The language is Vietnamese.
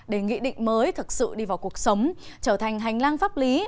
để nghị định mới thực sự đi vào cuộc sống trở thành hành lang pháp lý